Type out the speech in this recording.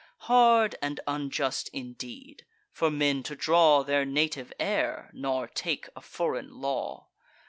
Hard and unjust indeed, for men to draw Their native air, nor take a foreign law!